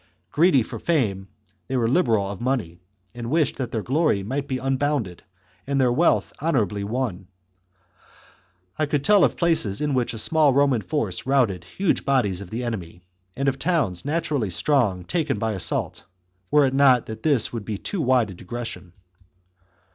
Greedy for fame, they were liberal of money, and wished that their glory might be unbounded, and their wealth honourably won. I could tell of places in which a small Roman force routed huge bodies of the enemy, and of towns naturally strong taken by assault, were it not that this would be too wide a digression.